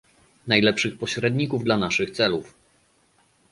najlepszych pośredników dla naszych celów